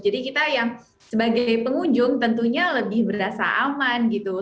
jadi kita yang sebagai pengunjung tentunya lebih berasa aman